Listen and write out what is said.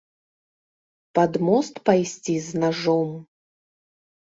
Пад мост пайсці з нажом?